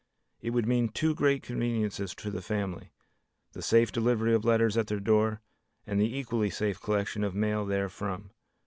It would mean two great conveniences to the family, the safe delivery of letters at their door and the equally safe collection of mail therefrom.